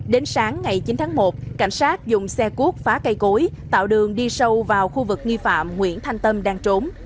đến sáng ngày chín tháng một cảnh sát dùng xe cuốc phá cây cối tạo đường đi sâu vào khu vực nghi phạm nguyễn thanh tâm đang trốn